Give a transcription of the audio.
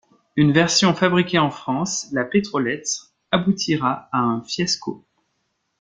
Une version fabriquée en France, la Pétrolette, aboutira à un fiasco.